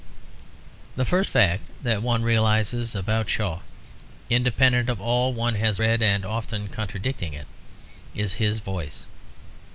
The first fact that one realises about Shaw (independent of all one has read and often contradicting it) is his voice.